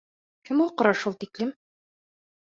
Кем аҡыра шул тиклем?